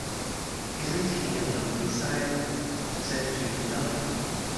‘Isn’t he a lovely sight?’ said Tweedledum.